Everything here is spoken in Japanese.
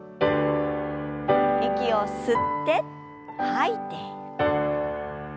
息を吸って吐いて。